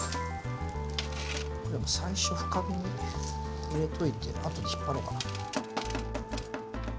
これ最初深めに入れといて後で引っ張ろうかな。